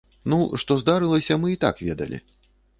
Ну што здарылася, мы і так ведалі.